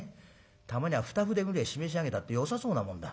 たまには二筆ぐれえしめし上げたってよさそうなもんだ。